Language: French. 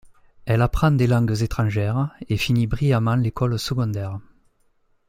Elle apprend des langues étrangères, et finit brillamment l'école secondaire.